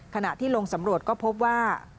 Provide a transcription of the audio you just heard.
ขณะที่ลงสำรวจก็พบว่า